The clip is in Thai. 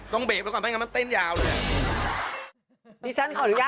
ต้องเบบก่อนมันเต้นยาวเลยอะ